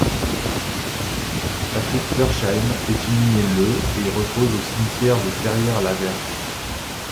Patrick Floersheim est inhumé le et repose au cimetière de Ferrières-la-Verrerie.